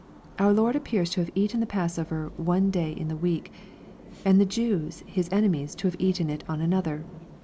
Our Lord appears to have eaten the pass over one day in the week, and the Jews his enemies to have eaten it on another.